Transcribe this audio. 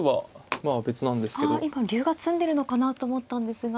あ今竜が詰んでるのかなと思ったんですが。